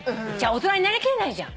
大人になり切れないじゃん。